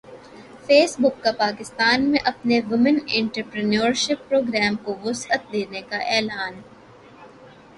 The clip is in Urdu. فیس بک کا پاکستان میں اپنے وومن انٹرپرینیورشپ پروگرام کو وسعت دینے کا اعلان